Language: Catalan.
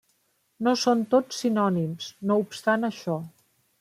No són tots sinònims, no obstant això.